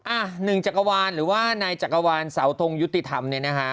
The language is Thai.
อ่ะหนึ่งจักรวาลหรือว่านายจักรวาลเสาทงยุติธรรมเนี่ยนะฮะ